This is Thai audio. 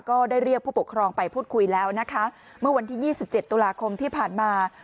ก็ได้เรียกผู้ปกครองไปพูดคุยแล้วนะคะเมื่อวันที่๒๗ตุลาคมที่ผ่านมา